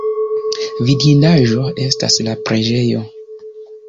Vidindaĵo estas la preĝejo.